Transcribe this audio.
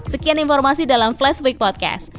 sekian informasi dalam flash week podcast